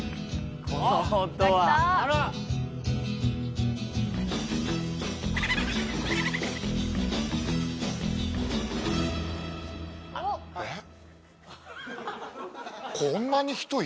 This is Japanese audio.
この音はえっ？